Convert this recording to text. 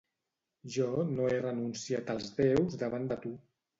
Jo no he renunciat als déus davant de tu.